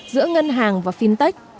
giữa ngân hàng và fintech